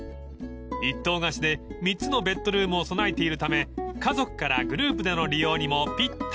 ［一棟貸しで３つのベッドルームを備えているため家族からグループでの利用にもぴったり］